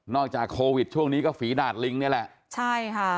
จากโควิดช่วงนี้ก็ฝีดาดลิงนี่แหละใช่ค่ะ